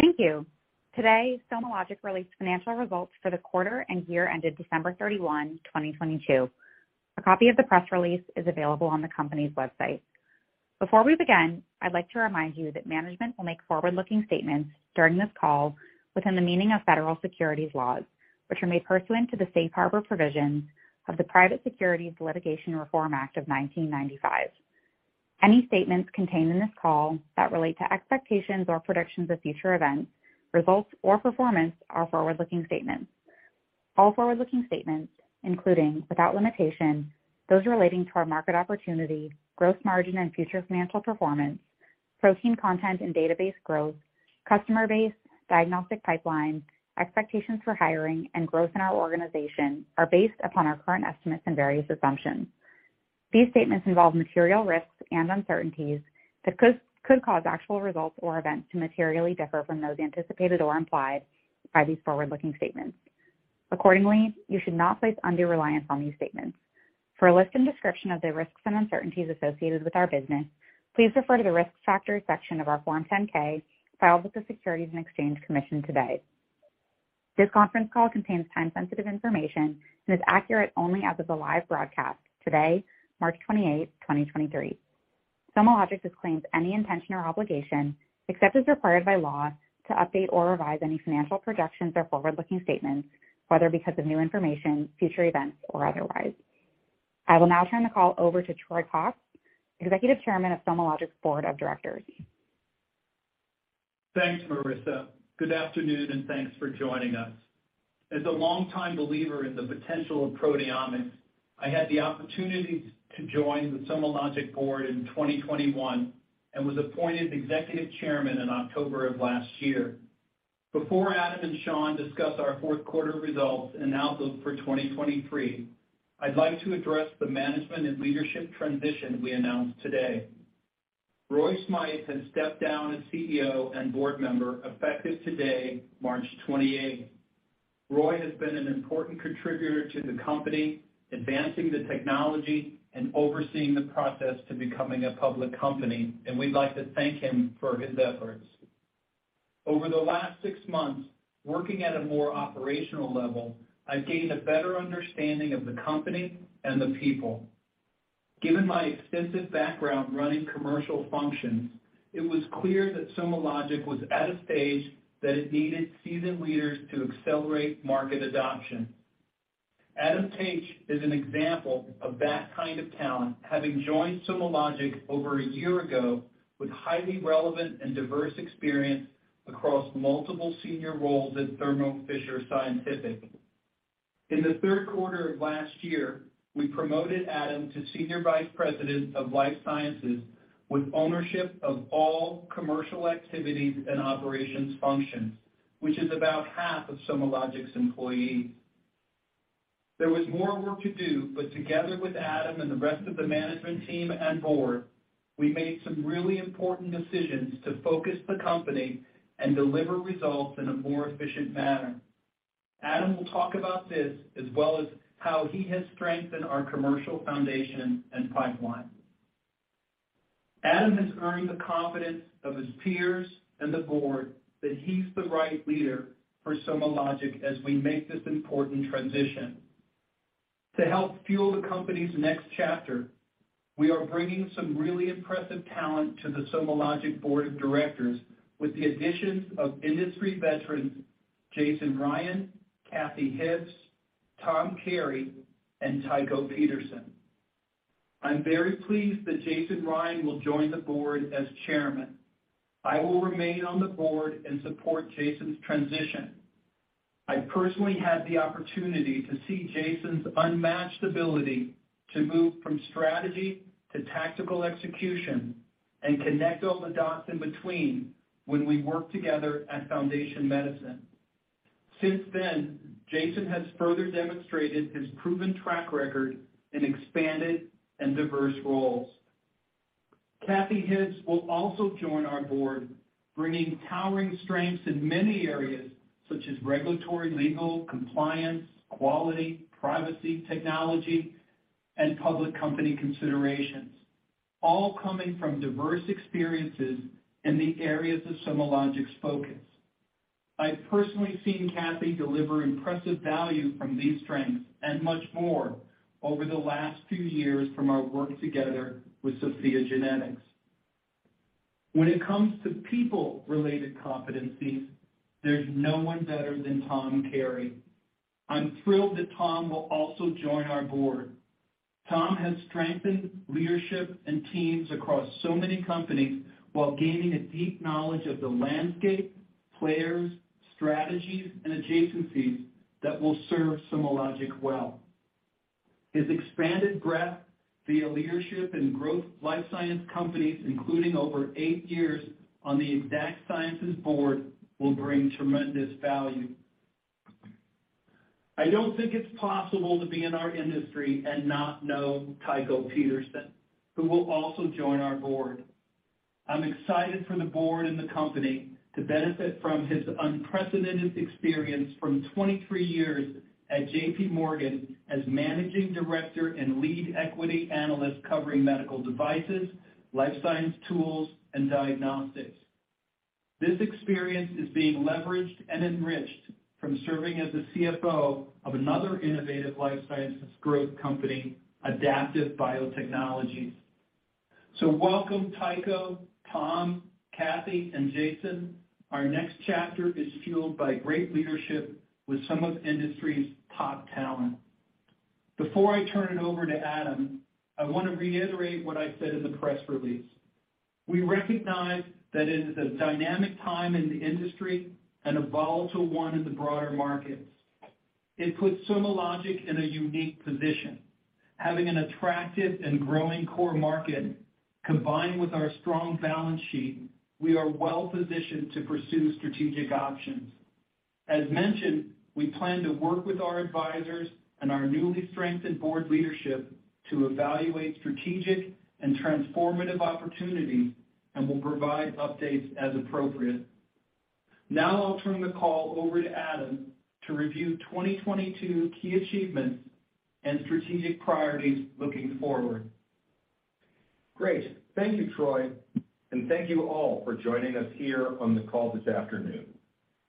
Thank you. Today, SomaLogic released financial results for the quarter and year ended December 31, 2022. A copy of the press release is available on the company's website. Before we begin, I'd like to remind you that management will make forward-looking statements during this call within the meaning of federal securities laws, which are made pursuant to the safe harbor provisions of the Private Securities Litigation Reform Act of 1995. Any statements contained in this call that relate to expectations or predictions of future events, results, or performance are forward-looking statements. All forward-looking statements, including, without limitation, those relating to our market opportunity, gross margin and future financial performance, protein content and database growth, customer base, diagnostic pipeline, expectations for hiring, and growth in our organization, are based upon our current estimates and various assumptions. These statements involve material risks and uncertainties that could cause actual results or events to materially differ from those anticipated or implied by these forward-looking statements. Accordingly, you should not place undue reliance on these statements. For a list and description of the risks and uncertainties associated with our business, please refer to the Risk Factors section of our Form 10-K filed with the Securities and Exchange Commission today. This conference call contains time-sensitive information and is accurate only as of the live broadcast today, March 28, 2023. SomaLogic disclaims any intention or obligation, except as required by law, to update or revise any financial projections or forward-looking statements, whether because of new information, future events, or otherwise. I will now turn the call over to Troy Cox, Executive Chairman of SomaLogic's Board of Directors. Thanks, Marissa. Good afternoon, and thanks for joining us. As a longtime believer in the potential of proteomics, I had the opportunity to join the SomaLogic Board in 2021 and was appointed Executive Chairman in October of last year. Before Adam and Shaun discuss our fourth quarter results and outlook for 2023, I'd like to address the management and leadership transition we announced today. Roy Smythe has stepped down as CEO and Board Member effective today, March 28. Roy has been an important contributor to the company, advancing the technology and overseeing the process to becoming a public company, and we'd like to thank him for his efforts. Over the last six months working at a more operational level, I've gained a better understanding of the company and the people. Given my extensive background running commercial functions, it was clear that SomaLogic was at a stage that it needed seasoned leaders to accelerate market adoption. Adam Taich is an example of that kind of talent, having joined SomaLogic over a year ago with highly relevant and diverse experience across multiple senior roles at Thermo Fisher Scientific. In the third quarter of last year, we promoted Adam to Senior Vice President of Life Sciences with ownership of all commercial activities and operations functions, which is about half of SomaLogic's employees. There was more work to do. Together with Adam and the rest of the management team and board, we made some really important decisions to focus the company and deliver results in a more efficient manner. Adam will talk about this as well as how he has strengthened our commercial foundation and pipeline. Adam has earned the confidence of his peers and the Board that he's the right leader for SomaLogic as we make this important transition. To help fuel the company's next chapter, we are bringing some really impressive talent to the SomaLogic Board of Directors with the addition of industry veterans Jason Ryan, Kathy Hibbs, Tom Carey, and Tycho Peterson. I'm very pleased that Jason Ryan will join the Board as Chairman. I will remain on the Board and support Jason's transition. I personally had the opportunity to see Jason's unmatched ability to move from strategy to tactical execution and connect all the dots in between when we worked together at Foundation Medicine. Since then, Jason has further demonstrated his proven track record in expanded and diverse roles. Kathy Hibbs will also join our Board, bringing towering strengths in many areas such as regulatory, legal, compliance, quality, privacy, technology, and public company considerations, all coming from diverse experiences in the areas of SomaLogic's focus. I've personally seen Kathy deliver impressive value from these strengths and much more over the last few years from our work together with SOPHiA GENETICS. When it comes to people-related competencies, there's no one better than Tom Carey. I'm thrilled that Tom will also join our Board. Tom has strengthened leadership and teams across so many companies while gaining a deep knowledge of the landscape, players, strategies, and adjacencies that will serve SomaLogic well. His expanded breadth via leadership and growth life science companies, including over eight years on the Exact Sciences Board, will bring tremendous value. I don't think it's possible to be in our industry and not know Tycho Peterson, who will also join our Board. I'm excited for the Board and the company to benefit from his unprecedented experience from 23 years at JPMorgan as Managing Director and Lead Equity Analyst covering Medical Devices, Life Science Tools and Diagnostics. This experience is being leveraged and enriched from serving as the CFO of another innovative life sciences growth company, Adaptive Biotechnologies. Welcome, Tycho, Tom, Kathy and Jason. Our next chapter is fueled by great leadership with some of the industry's top talent. Before I turn it over to Adam, I want to reiterate what I said in the press release. We recognize that it is a dynamic time in the industry and a volatile one in the broader markets. It puts SomaLogic in a unique position. Having an attractive and growing core market, combined with our strong balance sheet, we are well positioned to pursue strategic options. As mentioned, we plan to work with our advisors and our newly strengthened Board leadership to evaluate strategic and transformative opportunities, and we'll provide updates as appropriate. Now I'll turn the call over to Adam to review 2022 key achievements and strategic priorities looking forward. Great. Thank you, Troy, and thank you all for joining us here on the call this afternoon.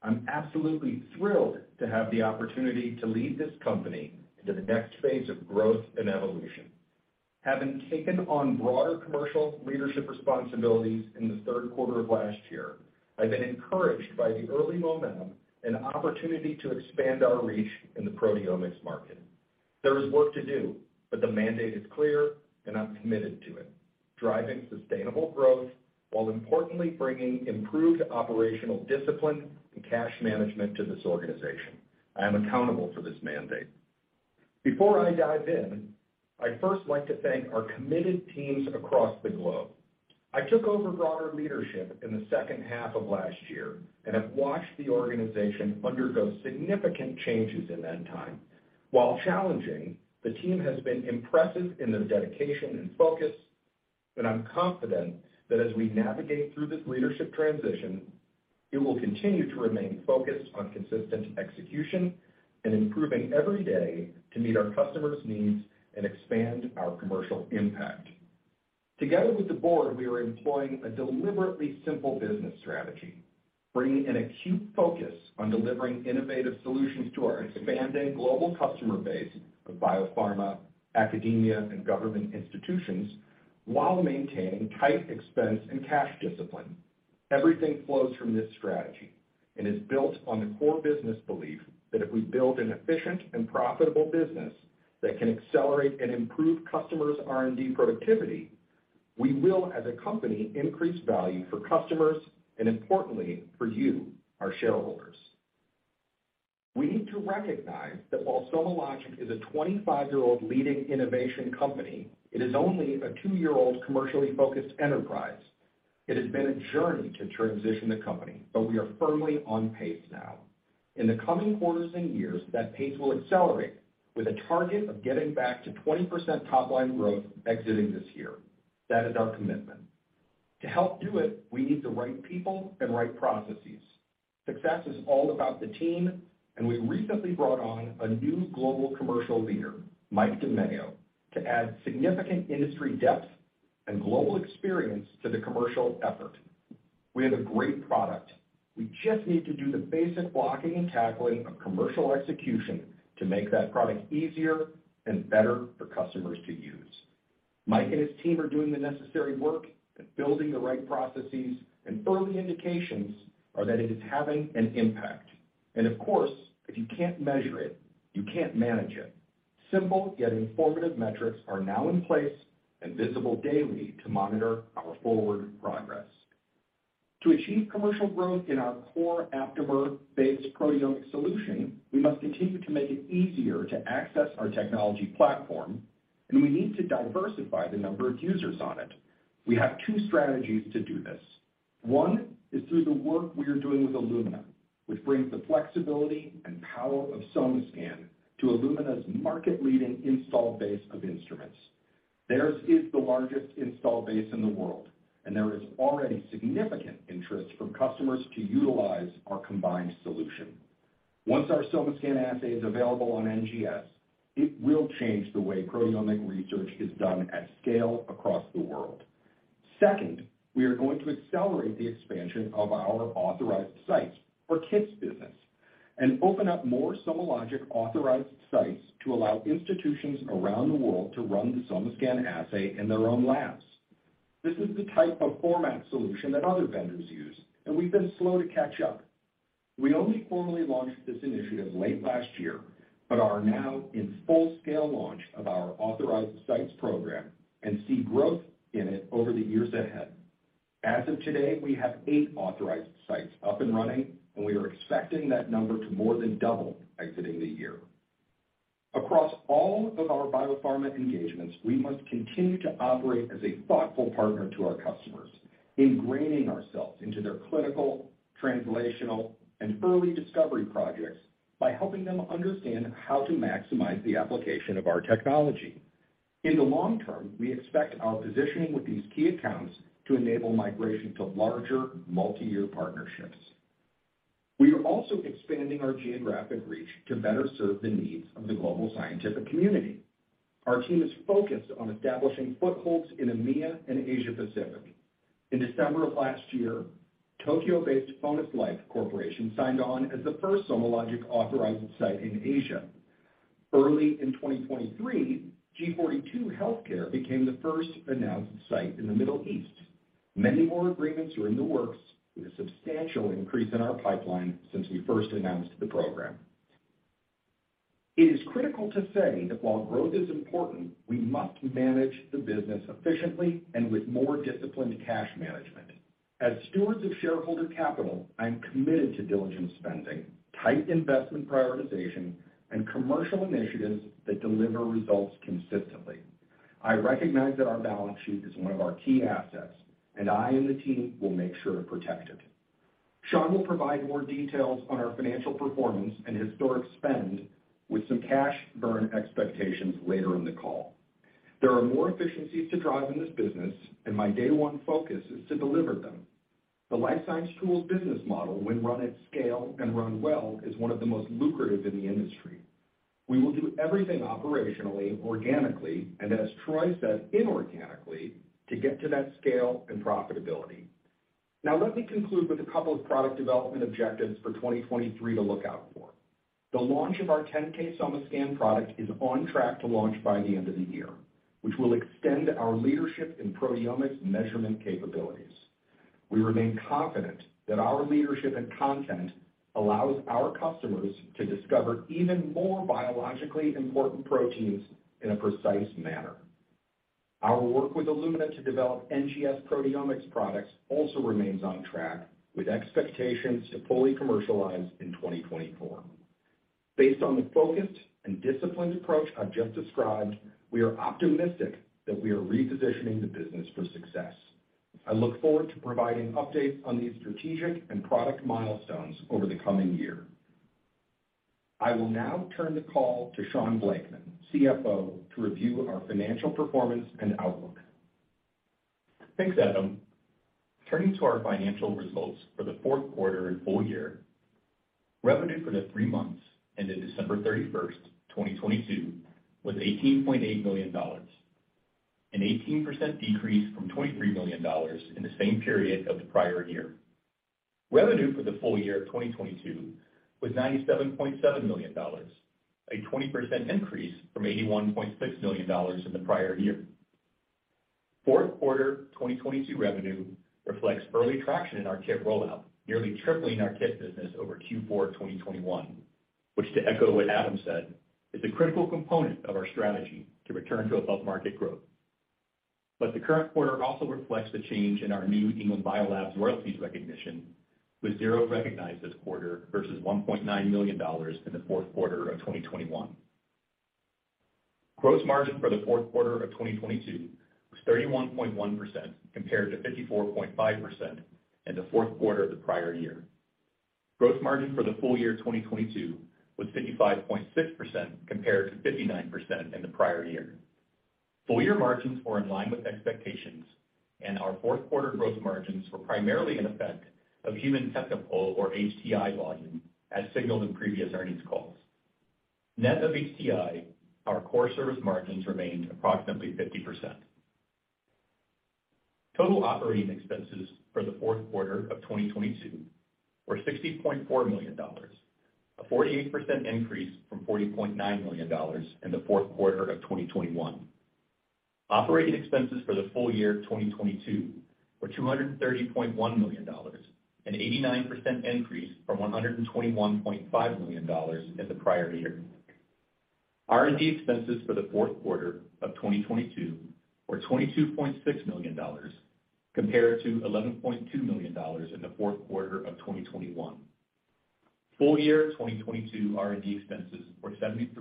I'm absolutely thrilled to have the opportunity to lead this company into the next phase of growth and evolution. Having taken on broader commercial leadership responsibilities in the third quarter of last year, I've been encouraged by the early momentum and opportunity to expand our reach in the proteomics market. There is work to do, but the mandate is clear, and I'm committed to it, driving sustainable growth while importantly bringing improved operational discipline and cash management to this organization. I am accountable for this mandate. Before I dive in, I'd first like to thank our committed teams across the globe. I took over broader leadership in the second half of last year and have watched the organization undergo significant changes in that time. While challenging, the team has been impressive in their dedication and focus, I'm confident that as we navigate through this leadership transition, it will continue to remain focused on consistent execution and improving every day to meet our customers' needs and expand our commercial impact. Together with the Board, we are employing a deliberately simple business strategy, bringing an acute focus on delivering innovative solutions to our expanding global customer base of biopharma, academia, and government institutions while maintaining tight expense and cash discipline. Everything flows from this strategy and is built on the core business belief that if we build an efficient and profitable business that can accelerate and improve customers' R&D productivity, we will, as a company, increase value for customers and importantly, for you, our shareholders. We need to recognize that while SomaLogic is a 25-year-old leading innovation company, it is only a two-year-old commercially focused enterprise. It has been a journey to transition the company, but we are firmly on pace now. In the coming quarters and years, that pace will accelerate with a target of getting back to 20% top line growth exiting this year. That is our commitment. To help do it, we need the right people and right processes. Success is all about the team. We recently brought on a new Global Commercial Leader, Mike DeMayo, to add significant industry depth and global experience to the commercial effort. We have a great product. We just need to do the basic blocking and tackling of commercial execution to make that product easier and better for customers to use. Mike and his team are doing the necessary work and building the right processes, early indications are that it is having an impact. Of course, if you can't measure it, you can't manage it. Simple yet informative metrics are now in place and visible daily to monitor our forward progress. To achieve commercial growth in our core aptamer-based proteomic solution, we must continue to make it easier to access our technology platform, and we need to diversify the number of users on it. We have two strategies to do this. One is through the work we are doing with Illumina, which brings the flexibility and power of SomaScan to Illumina's market-leading installed base of instruments. Theirs is the largest installed base in the world, there is already significant interest from customers to utilize our combined solution. Once our SomaScan assay is available on NGS, it will change the way proteomic research is done at scale across the world. Second, we are going to accelerate the expansion of our authorized sites for kits business and open up more SomaLogic authorized sites to allow institutions around the world to run the SomaScan assay in their own labs. This is the type of format solution that other vendors use, and we've been slow to catch up. We only formally launched this initiative late last year but are now in full-scale launch of our authorized sites program and see growth in it over the years ahead. As of today, we have 8 authorized sites up and running, and we are expecting that number to more than double exiting the year. Across all of our biopharma engagements, we must continue to operate as a thoughtful partner to our customers, ingraining ourselves into their clinical, translational, and early discovery projects by helping them understand how to maximize the application of our technology. In the long term, we expect our positioning with these key accounts to enable migration to larger multi-year partnerships. We are also expanding our geographic reach to better serve the needs of the global scientific community. Our team is focused on establishing footholds in EMEA and Asia Pacific. In December of last year, Tokyo-based FonesLife Corporation signed on as the first SomaLogic authorized site in Asia. Early in 2023, G42 Healthcare became the first announced site in the Middle East. Many more agreements are in the works with a substantial increase in our pipeline since we first announced the program. It is critical to say that while growth is important, we must manage the business efficiently and with more disciplined cash management. As stewards of shareholder capital, I am committed to diligent spending, tight investment prioritization, and commercial initiatives that deliver results consistently. I recognize that our balance sheet is one of our key assets, and I and the team will make sure to protect it. Shaun will provide more details on our financial performance and historic spend with some cash burn expectations later in the call. There are more efficiencies to drive in this business, and my day one focus is to deliver them. The life science tools business model, when run at scale and run well, is one of the most lucrative in the industry. We will do everything operationally, organically, and as Troy said, inorganically, to get to that scale and profitability. Let me conclude with a couple of product development objectives for 2023 to look out for. The launch of our 10K SomaScan product is on track to launch by the end of the year, which will extend our leadership in proteomics measurement capabilities. We remain confident that our leadership and content allows our customers to discover even more biologically important proteins in a precise manner. Our work with Illumina to develop NGS proteomics products also remains on track, with expectations to fully commercialize in 2024. Based on the focused and disciplined approach I've just described, we are optimistic that we are repositioning the business for success. I look forward to providing updates on these strategic and product milestones over the coming year. I will now turn the call to Shaun Blakeman, CFO, to review our financial performance and outlook. Thanks, Adam. Turning to our financial results for the fourth quarter and full year, revenue for the three months ended December 31st, 2022 was $18.8 million, an 18% decrease from $23 million in the same period of the prior year. Revenue for the full year of 2022 was $97.7 million, a 20% increase from $81.6 million in the prior year. Fourth quarter 2022 revenue reflects early traction in our kit rollout, nearly tripling our kit business over Q4 of 2021, which to echo what Adam said, is a critical component of our strategy to return to above-market growth. The current quarter also reflects the change in our New England Biolabs royalties recognition, with zero recognized this quarter versus $1.9 million in the fourth quarter of 2021. Gross margin for the fourth quarter of 2022 was 31.1% compared to 54.5% in the fourth quarter of the prior year. Gross margin for the full year of 2022 was 55.6% compared to 59% in the prior year. Full year margins were in line with expectations, and our fourth quarter gross margins were primarily an effect of Human Technopole or HTI volume as signaled in previous earnings calls. Net of HTI, our core service margins remained approximately 50%. Total operating expenses for the fourth quarter of 2022 were $60.4 million, a 48% increase from $40.9 million in the fourth quarter of 2021. Operating expenses for the full year of 2022 were $230.1 million, an 89% increase from $121.5 million in the prior year. R&D expenses for the fourth quarter of 2022 were $22.6 million compared to $11.2 million in the fourth quarter of 2021. Full year 2022 R&D expenses were $73.4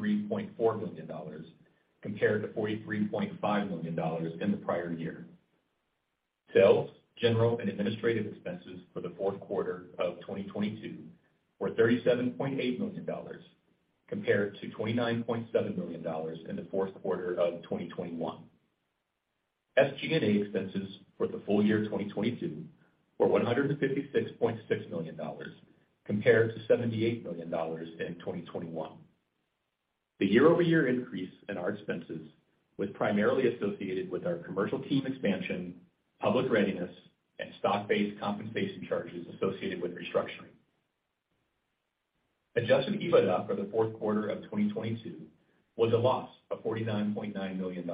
million compared to $43.5 million in the prior year. Sales, general and administrative expenses for the fourth quarter of 2022 were $37.8 million compared to $29.7 million in the fourth quarter of 2021. SG&A expenses for the full year of 2022 were $156.6 million compared to $78 million in 2021. The year-over-year increase in our expenses was primarily associated with our commercial team expansion, public readiness, and stock-based compensation charges associated with restructuring. Adjusted EBITDA for the fourth quarter of 2022 was a loss of $49.9 million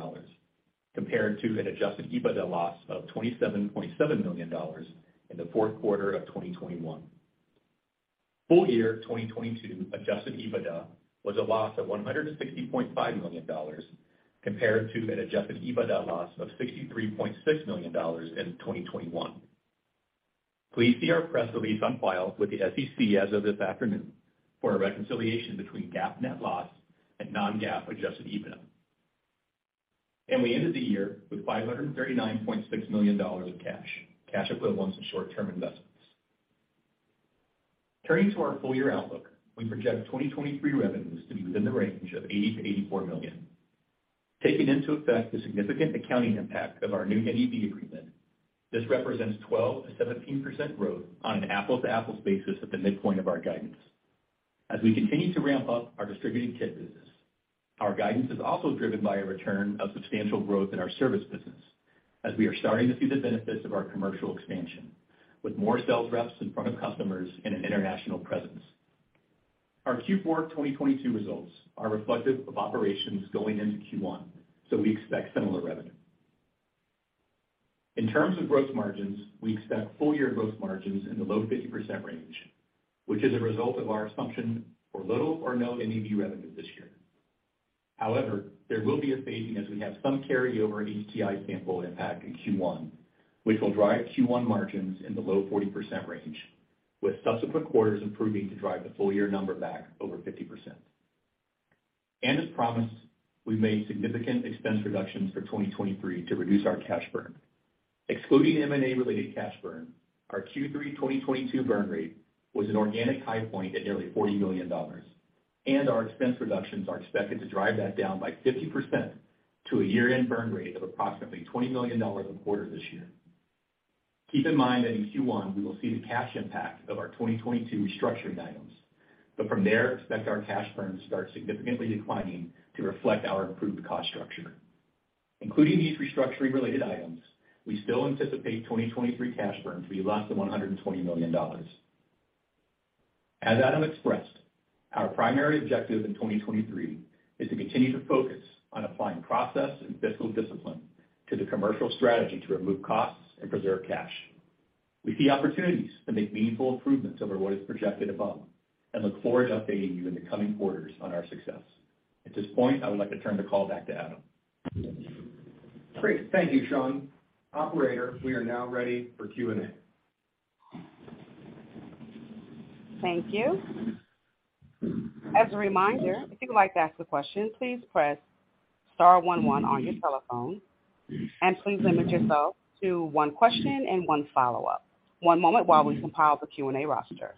compared to an adjusted EBITDA loss of $27.7 million in the fourth quarter of 2021. Full year 2022 adjusted EBITDA was a loss of $160.5 million compared to an adjusted EBITDA loss of $63.6 million in 2021. Please see our press release on file with the SEC as of this afternoon for a reconciliation between GAAP net loss and non-GAAP adjusted EBITDA. We ended the year with $539.6 million of cash equivalents, and short-term investments. Turning to our full-year outlook. We project 2023 revenues to be within the range of $80 million-$84 million. Taking into effect the significant accounting impact of our new NEB agreement, this represents 12%-17% growth on an apples-to-apples basis at the midpoint of our guidance. As we continue to ramp up our distributing kit business, our guidance is also driven by a return of substantial growth in our service business as we are starting to see the benefits of our commercial expansion, with more sales reps in front of customers and an international presence. Our Q4 2022 results are reflective of operations going into Q1. We expect similar revenue. In terms of growth margins, we expect full-year growth margins in the low 50% range, which is a result of our assumption for little or no NEB revenue this year. However, there will be a phasing as we have some carryover HTI sample impact in Q1, which will drive Q1 margins in the low 40% range, with subsequent quarters improving to drive the full year number back over 50%. As promised, we've made significant expense reductions for 2023 to reduce our cash burn. Excluding M&A related cash burn, our Q3 2022 burn rate was an organic high point at nearly $40 million, and our expense reductions are expected to drive that down by 50% to a year-end burn rate of approximately $20 million a quarter this year. Keep in mind that in Q1, we will see the cash impact of our 2022 restructuring items, From there, expect our cash burn to start significantly declining to reflect our improved cost structure. Including these restructuring related items, we still anticipate 2023 cash burn to be less than $120 million. As Adam expressed, our primary objective in 2023 is to continue to focus on applying process and fiscal discipline to the commercial strategy to remove costs and preserve cash. We see opportunities to make meaningful improvements over what is projected above and look forward to updating you in the coming quarters on our success. At this point, I would like to turn the call back to Adam. Great. Thank you, Shaun. Operator, we are now ready for Q&A. Thank you. As a reminder, if you'd like to ask a question, please press star one one on your telephone. Please limit yourself to one question and one follow-up. One moment while we compile the Q&A roster.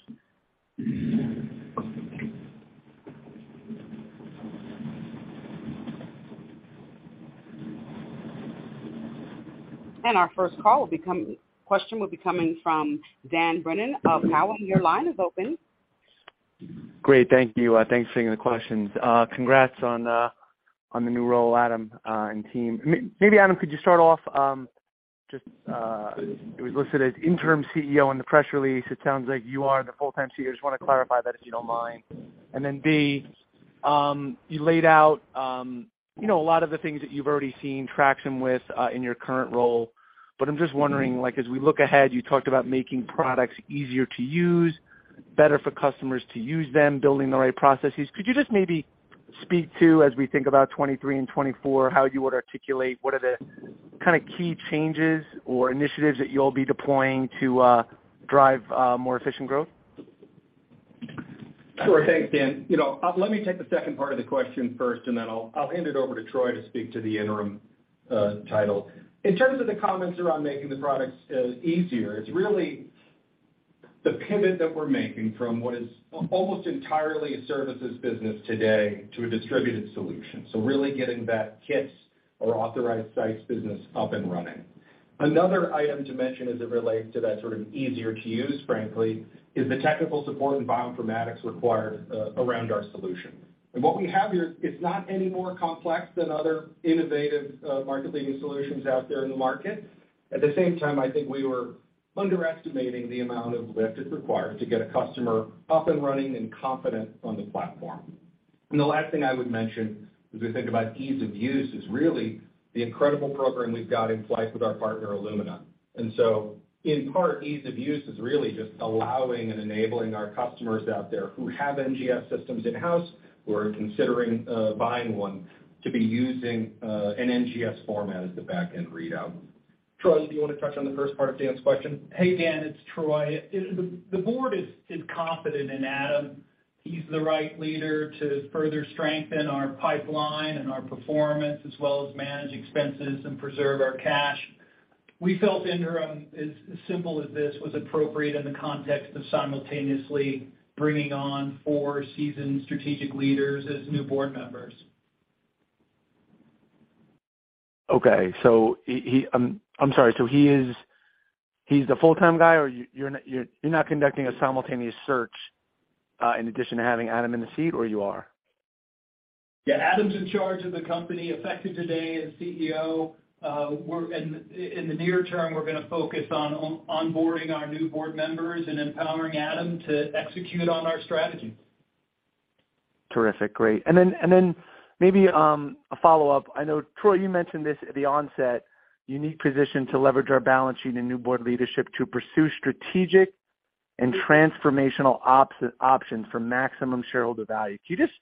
Our first question will be coming from Dan Brennan of Cowen. Your line is open. Great. Thank you. Thanks for taking the questions. Congrats on the new role, Adam, and team. Maybe Adam, could you start off, just, it was listed as Interim CEO in the press release. It sounds like you are the full-time CEO. I just wanna clarify that, if you don't mind. Then B, you laid out, you know, a lot of the things that you've already seen traction with, in your current role, but I'm just wondering, like as we look ahead, you talked about making products easier to use, better for customers to use them, building the right processes. Could you just maybe speak to, as we think about 2023 and 2024, how you would articulate what are the kinda key changes or initiatives that you'll be deploying to drive more efficient growth? Sure. Thanks, Dan. You know, let me take the second part of the question first, and then I'll hand it over to Troy to speak to the interim title. In terms of the comments around making the products easier, it's really the pivot that we're making from what is almost entirely a services business today to a distributed solution. Really getting that kits or authorized sites business up and running. Another item to mention as it relates to that sort of easier to use, frankly, is the technical support and bioinformatics required around our solution. What we have here is not any more complex than other innovative market leading solutions out there in the market. At the same time, I think we were underestimating the amount of lift it required to get a customer up and running and confident on the platform. The last thing I would mention, as we think about ease of use, is really the incredible program we've got in flight with our partner, Illumina. In part, ease of use is really just allowing and enabling our customers out there who have NGS systems in-house, who are considering buying one, to be using an NGS format as the back-end readout. Troy, do you wanna touch on the first part of Dan's question? Hey, Dan. It's Troy. The Board is confident in Adam. He's the right leader to further strengthen our pipeline and our performance, as well as manage expenses and preserve our cash. We felt Interim, as simple as this, was appropriate in the context of simultaneously bringing on four seasoned strategic leaders as new board members. Okay. I'm sorry, he's the full-time guy, or you're not conducting a simultaneous search, in addition to having Adam in the seat, or you are? Adam's in charge of the company effective today as CEO. In the near term, we're gonna focus on onboarding our new Board Members and empowering Adam to execute on our strategy. Terrific. Great. Then, and then maybe, a follow-up. I know, Troy, you mentioned this at the onset, unique position to leverage our balance sheet and new Board leadership to pursue strategic and transformational options for maximum shareholder value. Can you just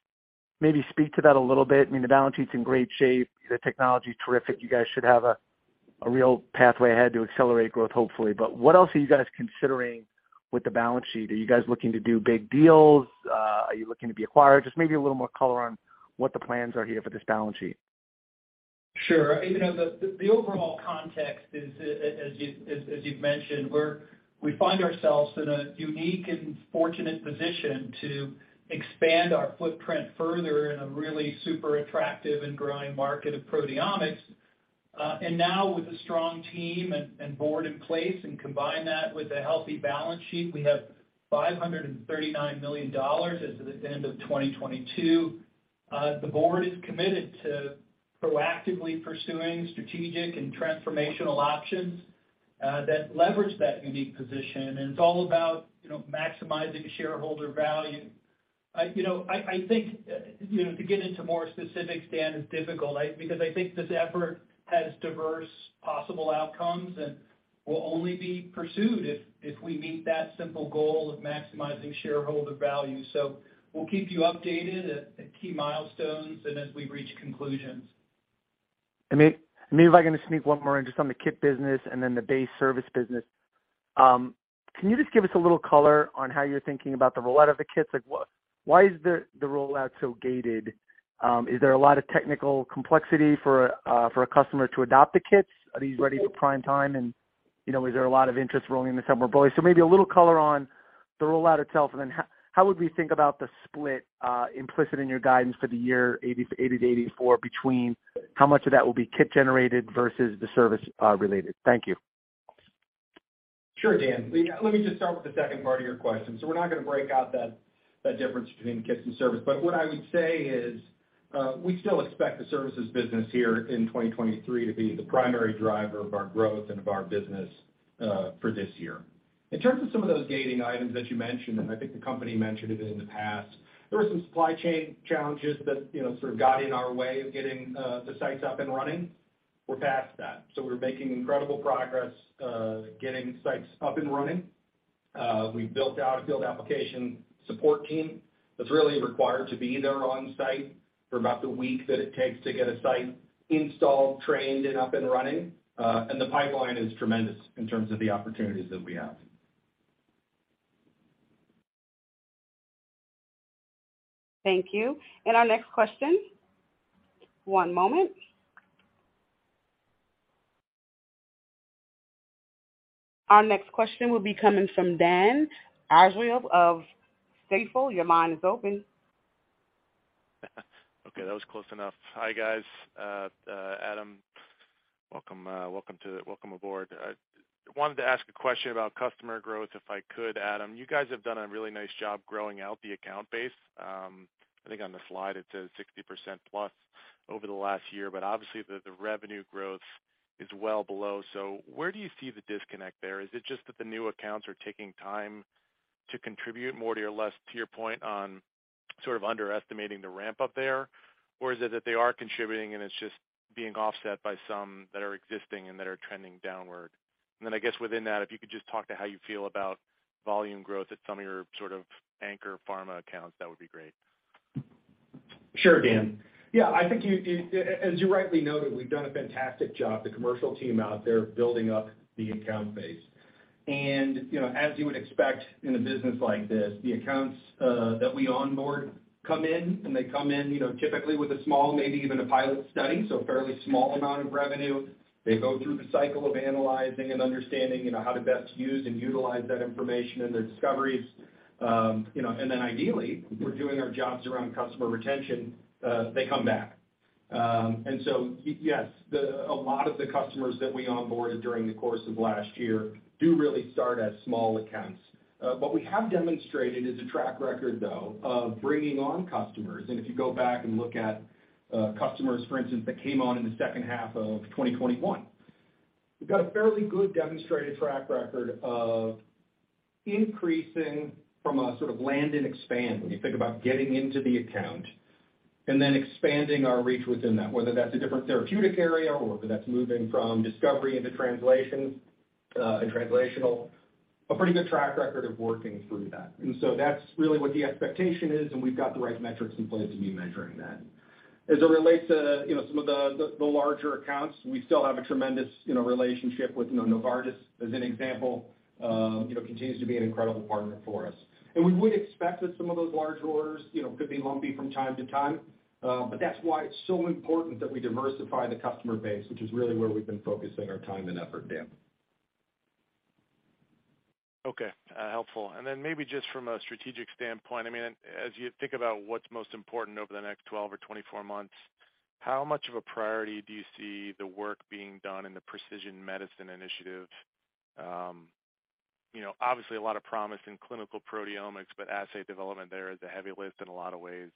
maybe speak to that a little bit? I mean, the balance sheet's in great shape, the technology's terrific. You guys should have a real pathway ahead to accelerate growth, hopefully. What else are you guys considering with the balance sheet? Are you guys looking to do big deals? Are you looking to be acquired? Just maybe a little more color on what the plans are here for this balance sheet. Sure. Even though the overall context is, as you, as you've mentioned, we find ourselves in a unique and fortunate position to expand our footprint further in a really super attractive and growing market of proteomics. Now with a strong team and board in place, and combine that with a healthy balance sheet, we have $539 million as of the end of 2022. The Board is committed to proactively pursuing strategic and transformational options that leverage that unique position, and it's all about, you know, maximizing shareholder value. I you know, I think, you know, to get into more specifics, Dan, is difficult because I think this effort has diverse possible outcomes and will only be pursued if we meet that simple goal of maximizing shareholder value. We'll keep you updated at key milestones and as we reach conclusions. Maybe if I can just sneak one more in just on the kit business and then the base service business. Can you just give us a little color on how you're thinking about the rollout of the kits? Like, why is the rollout so gated? Is there a lot of technical complexity for a customer to adopt the kits? Are these ready for prime time? You know, is there a lot of interest rolling in the [summer, Bobby?] Maybe a little color on the rollout itself, and then how would we think about the split implicit in your guidance for the year $80 million-$84 million between how much of that will be kit generated versus the service related? Thank you. Sure, Dan. Let me just start with the second part of your question. We're not gonna break out that difference between kits and service. What I would say is, we still expect the services business here in 2023 to be the primary driver of our growth and of our business, for this year. In terms of some of those gating items that you mentioned, and I think the company mentioned it in the past, there were some supply chain challenges that, you know, sort of got in our way of getting the sites up and running. We're past that. We're making incredible progress, getting sites up and running. We built out a field application support team that's really required to be there on site for about the week that it takes to get a site installed, trained, and up and running. The pipeline is tremendous in terms of the opportunities that we have. Thank you. Our next question. One moment. Our next question will be coming from Dan Arias of Stifel. Your line is open. Okay, that was close enough. Hi, guys. Adam, welcome aboard. Wanted to ask a question about customer growth, if I could, Adam. You guys have done a really nice job growing out the account base. I think on the slide it says 60%+ over the last year, but obviously, the revenue growth is well below. Where do you see the disconnect there? Is it just that the new accounts are taking time to contribute less to your point on sort of underestimating the ramp up there? Or is it that they are contributing and it's just being offset by some that are existing and that are trending downward? I guess within that, if you could just talk to how you feel about volume growth at some of your sort of anchor pharma accounts, that would be great. Sure, Dan. Yeah, I think you As you rightly noted, we've done a fantastic job, the commercial team out there building up the account base. You know, as you would expect in a business like this, the accounts that we onboard come in, and they come in, you know, typically with a small, maybe even a pilot study, so a fairly small amount of revenue. They go through the cycle of analyzing and understanding, you know, how to best use and utilize that information and their discoveries. You know, then ideally, if we're doing our jobs around customer retention, they come back. Yes, a lot of the customers that we onboarded during the course of last year do really start as small accounts. What we have demonstrated is a track record, though, of bringing on customers. If you go back and look at customers, for instance, that came on in the second half of 2021, we've got a fairly good demonstrated track record of increasing from a sort of land and expand, when you think about getting into the account and then expanding our reach within that, whether that's a different therapeutic area or whether that's moving from discovery into translation and translational, a pretty good track record of working through that. That's really what the expectation is, and we've got the right metrics in place to be measuring that. As it relates to, you know, some of the larger accounts, we still have a tremendous, you know, relationship with, you know, Novartis, as an example, you know, continues to be an incredible partner for us. We would expect that some of those large orders, you know, could be lumpy from time to time, but that's why it's so important that we diversify the customer base, which is really where we've been focusing our time and effort, Dan. Okay, helpful. Then maybe just from a strategic standpoint, I mean, as you think about what's most important over the next 12 or 24 months, how much of a priority do you see the work being done in the precision medicine initiative? You know, obviously a lot of promise in clinical proteomics, but assay development there is a heavy lift in a lot of ways.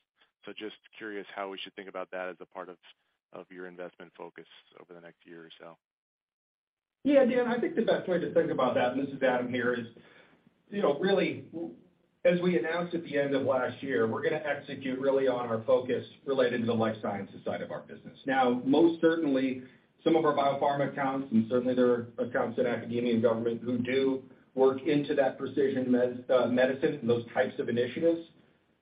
Just curious how we should think about that as a part of your investment focus over the next year or so. Yeah, Dan, I think the best way to think about that, and this is Adam here, is, you know, really, as we announced at the end of last year, we're gonna execute really on our focus related to the life sciences side of our business. Most certainly some of our biopharma accounts, and certainly there are accounts in academia and government who do work into that precision medicine and those types of initiatives,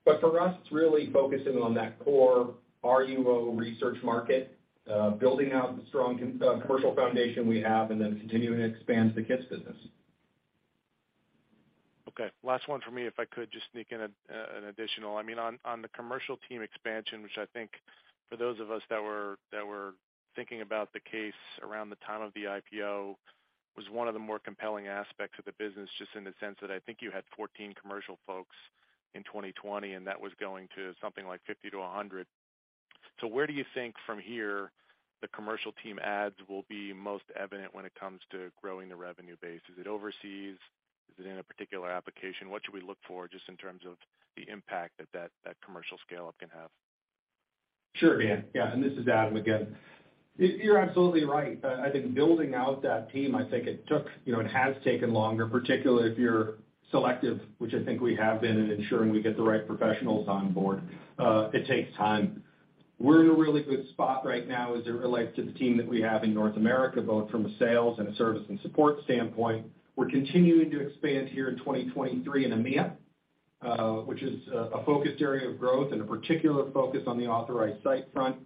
but for us, it's really focusing on that core RUO research market, building out the strong commercial foundation we have, and then continuing to expand the kits business. Last one for me, if I could just sneak in an additional. I mean, on the commercial team expansion, which I think for those of us that were thinking about the case around the time of the IPO, was one of the more compelling aspects of the business, just in the sense that I think you had 14 commercial folks in 2020, and that was going to something like 50-100. Where do you think from here the commercial team adds will be most evident when it comes to growing the revenue base? Is it overseas? Is it in a particular application? What should we look for just in terms of the impact that commercial scale-up can have? Sure, Dan. This is Adam again. You're absolutely right. I think building out that team, you know, it has taken longer, particularly if you're selective, which I think we have been in ensuring we get the right professionals on board. It takes time. We're in a really good spot right now as it relates to the team that we have in North America, both from a sales and a service and support standpoint. We're continuing to expand here in 2023 in EMEA, which is a focused area of growth and a particular focus on the authorized site front.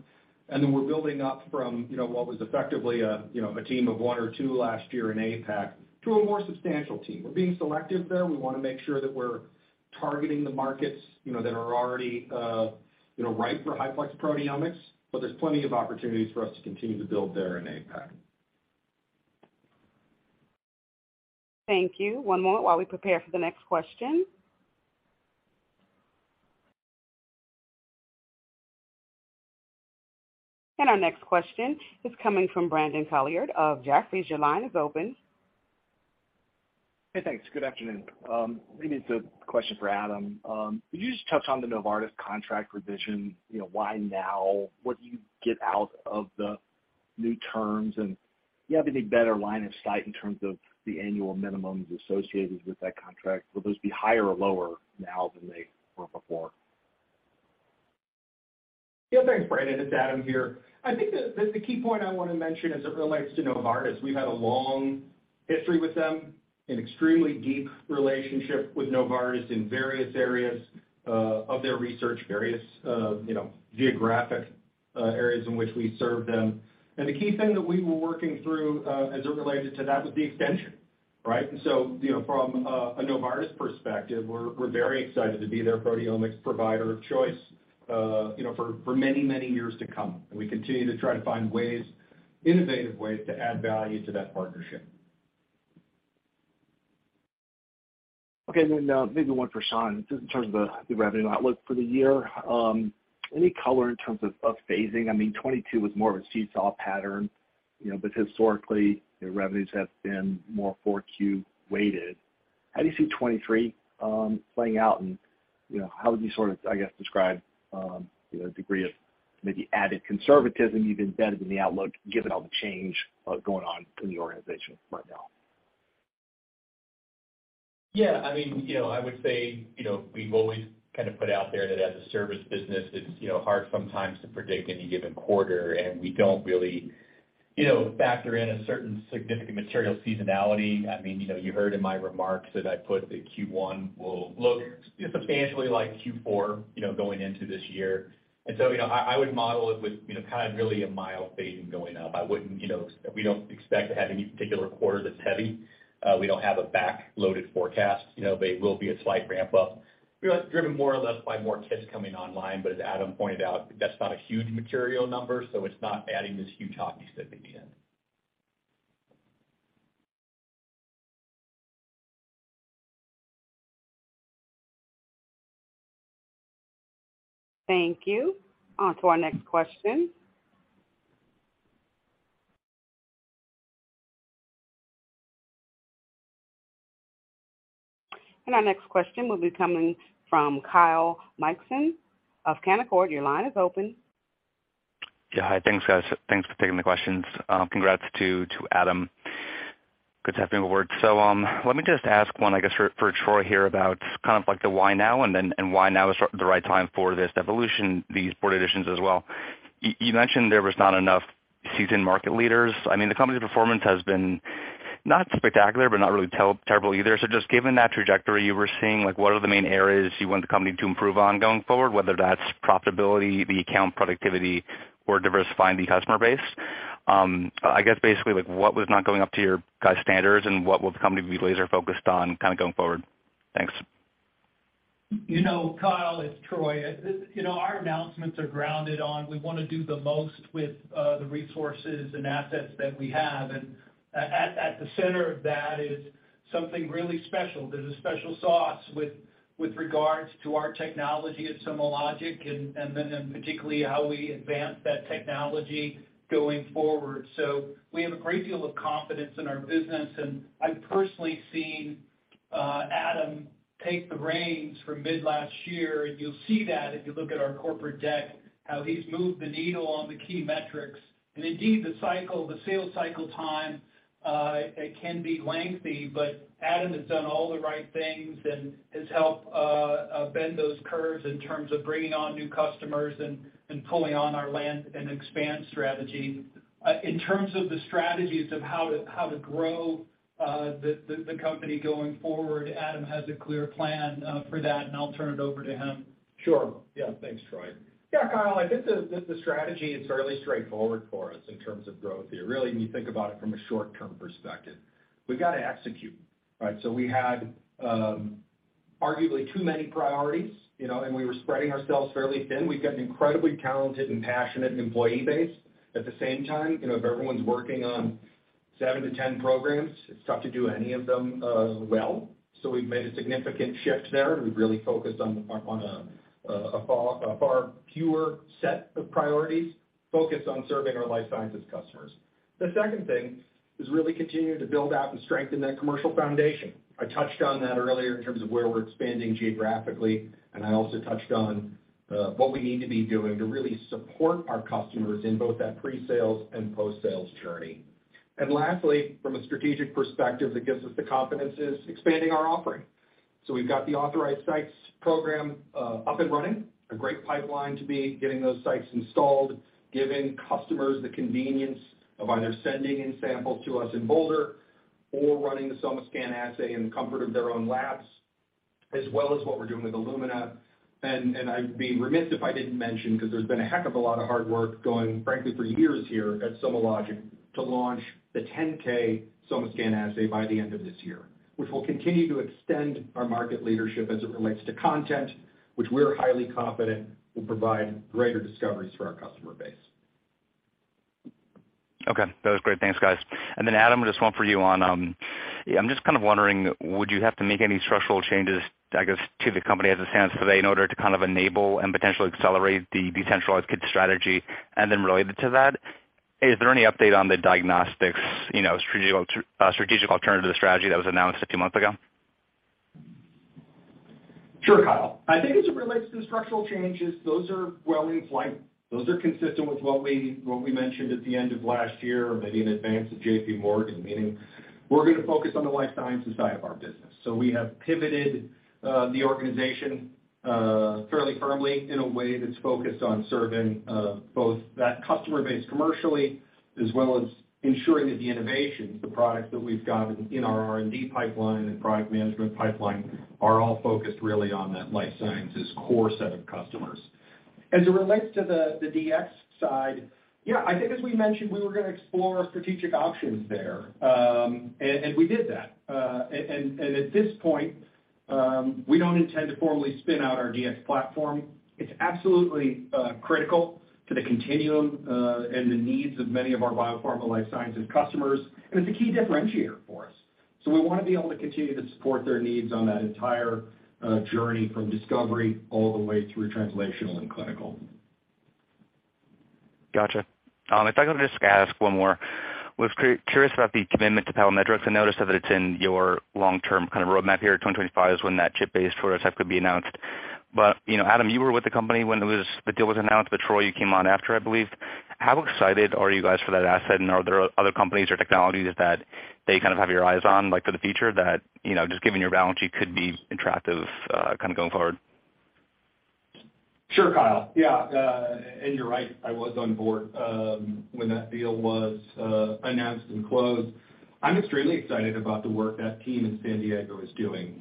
We're building up from, you know, what was effectively a team of one or two last year in APAC to a more substantial team. We're being selective there. We wanna make sure that we're targeting the markets, you know, that are already, you know, ripe for high-plex proteomics. There's plenty of opportunities for us to continue to build there in APAC. Thank you. One more while we prepare for the next question. Our next question is coming from Brandon Couillard of Jefferies. Your line is open. Hey, thanks. Good afternoon. Maybe it's a question for Adam. Could you just touch on the Novartis contract revision, you know, why now? What do you get out of the new terms? Do you have any better line of sight in terms of the annual minimums associated with that contract? Will those be higher or lower now than they were before? Yeah. Thanks, Brandon. It's Adam here. I think the key point I wanna mention as it relates to Novartis, we've had a long history with them, an extremely deep relationship with Novartis in various areas, of their research, various, you know, geographic areas in which we serve them. The key thing that we were working through as it related to that was the extension, right? You know, from a Novartis perspective, we're very excited to be their proteomics provider of choice, you know, for many, many years to come. We continue to try to find ways, innovative ways to add value to that partnership. Okay. Maybe one for Shaun, just in terms of the revenue outlook for the year. Any color in terms of phasing? I mean, 2022 was more of a seesaw pattern, you know, but historically, your revenues have been more 4Q weighted. How do you see 2023 playing out? You know, how would you sort of, I guess, describe, you know, degree of maybe added conservatism you've embedded in the outlook given all the change going on in the organization right now? I mean, you know, I would say, you know, we've always kind of put out there that as a service business, it's, you know, hard sometimes to predict any given quarter, and we don't really, you know, factor in a certain significant material seasonality. I mean, you know, you heard in my remarks that I put that Q1 will look substantially like Q4, you know, going into this year. You know, I would model it with, you know, kind of really a mild phase in going up. I wouldn't, you know... We don't expect to have any particular quarter that's heavy. We don't have a back-loaded forecast. You know, there will be a slight ramp up. You know, it's driven more or less by more kits coming online, but as Adam pointed out, that's not a huge material number, so it's not adding this huge hockey stick at the end. Thank you. On to our next question. Our next question will be coming from Kyle Mikson of Canaccord. Your line is open. Yeah. Hi. Thanks, guys. Thanks for taking the questions. Congrats to Adam. Good to have you aboard. Let me just ask one, I guess, for Troy here about kind of like the why now and then, and why now is the right time for this evolution, these board additions as well. You mentioned there was not enough seasoned market leaders. I mean, the company's performance has been not spectacular, but not really terrible either. Just given that trajectory you were seeing, like what are the main areas you want the company to improve on going forward, whether that's profitability, the account productivity, or diversifying the customer base? I guess basically, like what was not going up to your guy's standards and what will the company be laser focused on kinda going forward? Thanks. You know, Kyle, it's Troy. you know, our announcements are grounded on we wanna do the most with the resources and assets that we have. At the center of that is something really special. There's a special sauce with regards to our technology at SomaLogic and then, and particularly how we advance that technology going forward. We have a great deal of confidence in our business, and I've personally seen Adam take the reins from mid last year, and you'll see that if you look at our corporate deck, how he's moved the needle on the key metrics. Indeed, the cycle, the sales cycle time, it can be lengthy, but Adam has done all the right things and has helped bend those curves in terms of bringing on new customers and pulling on our land and expand strategy. In terms of the strategies of how to grow, the company going forward, Adam has a clear plan. For that, and I'll turn it over to him. Thanks, Troy. Kyle, I think the strategy is fairly straightforward for us in terms of growth here. When you think about it from a short-term perspective, we've got to execute, right? We had arguably too many priorities, you know, we were spreading ourselves fairly thin. We've got an incredibly talented and passionate employee base. At the same time, you know, if everyone's working on 7-10 programs, it's tough to do any of them well. We've made a significant shift there. We've really focused on a far fewer set of priorities, focused on serving our life sciences customers. The second thing is really continuing to build out and strengthen that commercial foundation. I touched on that earlier in terms of where we're expanding geographically, and I also touched on what we need to be doing to really support our customers in both that pre-sales and post-sales journey. Lastly, from a strategic perspective that gives us the confidence is expanding our offering. We've got the authorized sites program up and running, a great pipeline to be getting those sites installed, giving customers the convenience of either sending in samples to us in Boulder or running the SomaScan assay in the comfort of their own labs, as well as what we're doing with Illumina. I'd be remiss if I didn't mention, 'cause there's been a heck of a lot of hard work going, frankly, for years here at SomaLogic, to launch the 10K SomaScan assay by the end of this year, which will continue to extend our market leadership as it relates to content, which we're highly confident will provide greater discoveries for our customer base. Okay, that was great. Thanks, guys. Adam, just one for you on. I'm just kind of wondering, would you have to make any structural changes, I guess, to the company as it stands today in order to kind of enable and potentially accelerate the decentralized kit strategy? Related to that, is there any update on the diagnostics, you know, strategic alternative strategy that was announced a few months ago? Sure, Kyle. I think as it relates to the structural changes, those are well in flight. Those are consistent with what we mentioned at the end of last year, maybe in advance of JPMorgan, meaning we're gonna focus on the life sciences side of our business. We have pivoted the organization fairly firmly in a way that's focused on serving both that customer base commercially, as well as ensuring that the innovations, the products that we've got in our R&D pipeline and product management pipeline, are all focused really on that life sciences core set of customers. As it relates to the DX side, yeah, I think as we mentioned, we were gonna explore strategic options there, and we did that. At this point, we don't intend to formally spin out our DX platform. It's absolutely critical to the continuum and the needs of many of our biopharma life sciences customers, and it's a key differentiator for us. We wanna be able to continue to support their needs on that entire journey from discovery all the way through translational and clinical. Gotcha. If I could just ask one more. Was curious about the commitment to Palamedrix. I noticed that it's in your long-term kind of roadmap here. 2025 is when that chip-based prototype could be announced. You know, Adam, you were with the company when it was, the deal was announced. Troy, you came on after, I believe. How excited are you guys for that asset, and are there other companies or technologies that you kind of have your eyes on, like, for the future that, you know, just given your balance sheet could be attractive, kind of going forward? Sure, Kyle. Yeah, you're right, I was on board when that deal was announced and closed. I'm extremely excited about the work that team in San Diego is doing.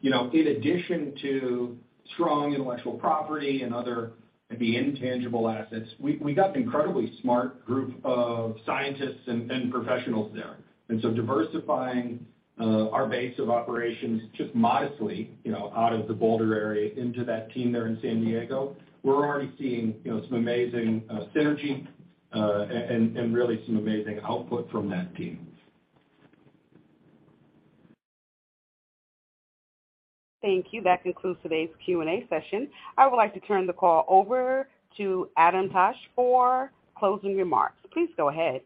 You know, in addition to strong intellectual property and other maybe intangible assets, we got an incredibly smart group of scientists and professionals there. Diversifying our base of operations just modestly, you know, out of the Boulder area into that team there in San Diego, we're already seeing, you know, some amazing synergy and really some amazing output from that team. Thank you. That concludes today's Q&A session. I would like to turn the call over to Adam Taich for closing remarks. Please go ahead.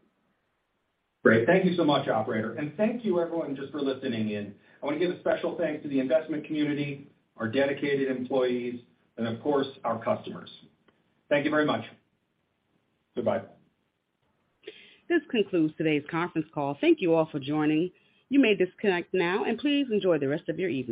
Great. Thank you so much, operator, and thank you everyone just for listening in. I want to give a special thanks to the investment community, our dedicated employees, and of course, our customers. Thank you very much. Goodbye. This concludes today's conference call. Thank you all for joining. You may disconnect now, and please enjoy the rest of your evening.